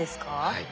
はい。